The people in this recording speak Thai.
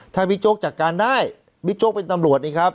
ถ้าบิ๊กโจ๊กจัดการได้บิ๊กโจ๊กเป็นตำรวจนี่ครับ